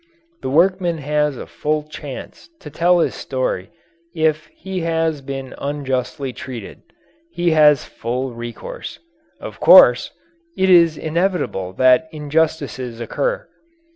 The workman has a full chance to tell his story if he has been unjustly treated he has full recourse. Of course, it is inevitable that injustices occur.